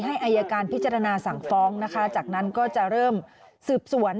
อายการพิจารณาสั่งฟ้องนะคะจากนั้นก็จะเริ่มสืบสวน